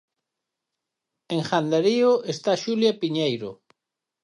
En Gandarío está Xulia Piñeiro.